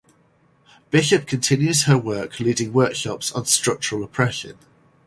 Bishop continues her work leading workshops on structural oppression.